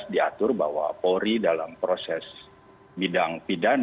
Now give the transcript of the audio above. diatur bahwa polri dalam proses bidang pidana